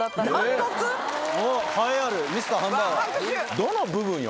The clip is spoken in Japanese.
どの部分よ？